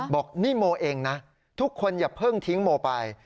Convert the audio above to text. บอกนี่โมเองนะทุกคนอย่าเพิ่งทิ้งโมไป